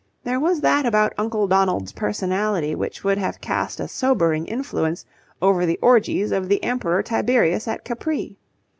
There was that about Uncle Donald's personality which would have cast a sobering influence over the orgies of the Emperor Tiberius at Capri.